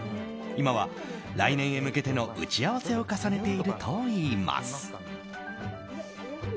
今は来年へ向けての打ち合わせを重ねているといいます。